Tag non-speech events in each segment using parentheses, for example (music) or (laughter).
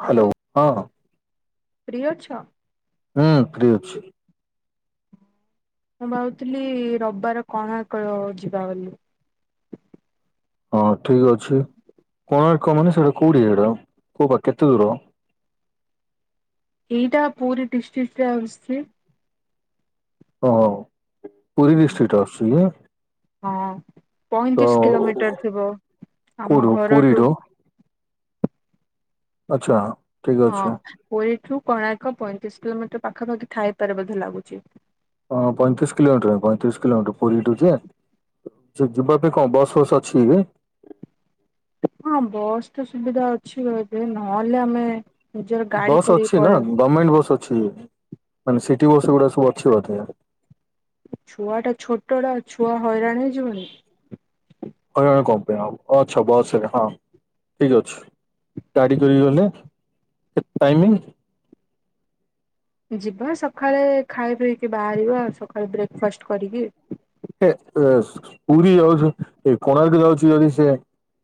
Hello ହଁ free ଅଛ ହୁଁ ଫ୍ରି ଅଛି। ମୁଁ ଭାବୁଥିଲି ରବିବାର କଣ (unintelligible) ଯିବା ବୋଲି। ହଁ ଠିକ ଅଛି କୋଣାର୍କ ମାନେ ସେଟା କୋଉଠି (unintelligible) କୋଉ ପା କେତେ ଦୂର? ଏଇଟା ପୁରୀ ଡିଷ୍ଟିକରେ (unintelligible) (unintelligible) ପୁରୀ ଡିଷ୍ଟ୍ରିକ୍ଟ ଆସଛି କି? ହଁ। ତ ପଇଁତିରିଶ କିଲୋମିଟର ଥିବ ଆମ କୋଉଠୁ ଘରଠୁ ପୁରୀରୁ ଆଚଛା। ହଁ ପ ଠୁ କଣାର୍କ ପଇଁତିରିଶ କିଲୋମିଟର ପାଖାପାଖି ଥାଇପାରେ ବୋଧେ ଲାଗୁଛି। ହଁ ପଇତିଶ କିଲୋମିଟର ପତିରିଶ କିଲୋମିଟର ପୁରୀଠୁଛି ଯିବା ପାଇଁ କଣ ବସ୍ ଫସ୍ ଅଛି କି? ହଁ ବସ୍ ତ ସୁବିଧା ଅଛି ର ଏବେ ନହେଲେ ଆମେ ନିଜର ଗାଡି ବସ୍ କରିକି ଅଛି ନା ପଳେଇବା। ଗର୍ମେଣ୍ଟ ବସ୍ ଅଛି। ମାନେ ସିଟି ବସ ଗୁଡା ସବୁ ଅଛି ବୋଧେ। ଛୁଆ ଟା ଛୋଟଟ ଛୁଆ। ହଇରାଣ ଜୋରେ। ହଇରାଣ କମ୍ ପାଇଁ ଆଚ୍ଛା ବସରେ ହଁ ଠିକ ଅଛି ଗାଡ଼ି କରିକି ଗଲେ କେତେ ଟାଇମିଂ। ଯିବା ସକାଳେ ଖାଇ ପିଇକି ବାହାରିବା ସକାଳେ ବ୍ରେକ୍ଫାଷ୍ଟ କରିକି। ଏ ପୁରୀ ଯାଉଛି ଏ କୋଣାର୍କ ଯାଉଛି ଯଦି ସେ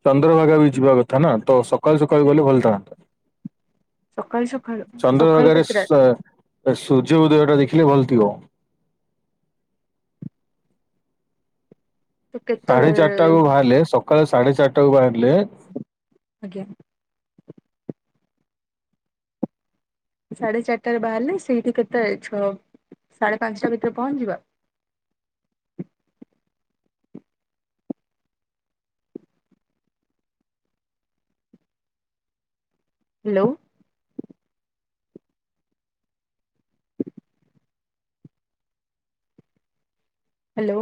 ଚନ୍ଦ୍ରଭାଗା ବି ଯିବା କଥା ନା ତ ସକାଳୁ ସକାଳୁ ଗଲେ ଭଲ ଥାନ୍ତା ସକାଳୁ ସକାଳୁ ସକାଳୁ ଚନ୍ଦ୍ରଭାଗାରେ କେତେଟା ସୂର୍ଯ୍ୟ ଉଦୟ ଟା ଦେଖି ଭଲ ଥିବ। ତ ସାଢେ କେତେବେଳେ ଚାରିଟାୁ ବାହାରିଲେ ସକାଳେ ସାଢେ ଚାରିଟାକୁ ବାହାରିଲେ। ଆଜ୍ଞା ସାଢେ ଚାରିଟାରେ ବାହାରିଲେ ସେଇଠି କେତେ ଛଅ ସାଢେ ପାଞ୍ଚଟା ଭିତରେ ପହଞ୍ଚିବା। ହ୍ୟାଲୋ। ହ୍ୟାଲୋ।